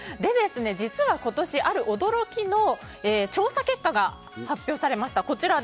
実は今年、ある驚きの調査結果が発表されました。